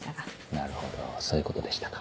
なるほどそういうことでしたか。